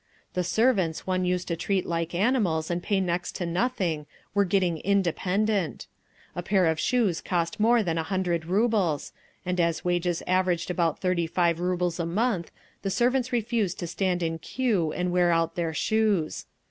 The servants one used to treat like animals and pay next to nothing, were getting independent. A pair of shoes cost more than a hundred rubles, and as wages averaged about thirty five rubles a month the servants refused to stand in queue and wear out their shoes.